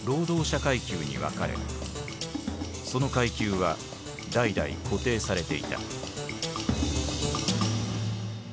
その階級は代々固定されていた。